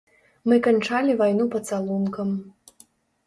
Мы канчалі вайну пацалункам.